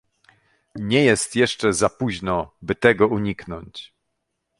Nie jest jeszcze za późno, by tego uniknąć